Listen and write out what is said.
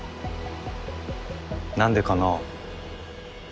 何でかなぁ。